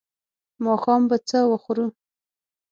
ماښام به څه وخورو؟